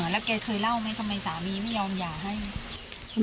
แล้วแกเคยเล่าไหมทำไมสามีไม่ยอมหย่าให้